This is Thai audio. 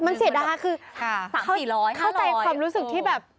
มันเสียดายคือค่ะสามสี่ร้อยห้าร้อยเข้าใจความรู้สึกที่แบบ